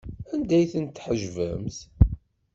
Anda ay ten-tḥejbemt?